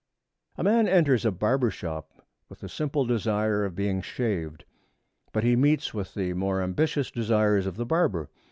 A man enters a barber's shop with the simple desire of being shaved. But he meets with the more ambitious desires of the barber.